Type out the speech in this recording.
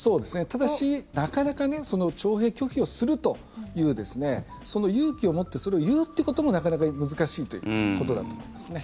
ただしなかなか徴兵拒否をするというその勇気を持ってそれを言うっていうこともなかなか難しいということだと思いますね。